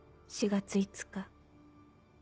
「４月５日。